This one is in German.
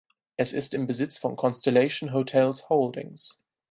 Es ist im Besitz von Constellation Hotels Holdings.